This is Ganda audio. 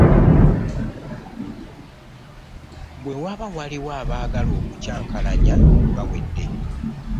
Bwe waba waliwo abaagala okukyankalanya bawedde.